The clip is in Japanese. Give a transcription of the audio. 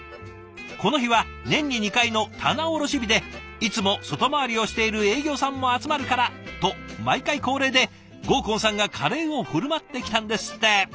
この日は年に２回の棚卸し日でいつも外回りをしている営業さんも集まるからと毎回恒例で郷右近さんがカレーを振る舞ってきたんですって。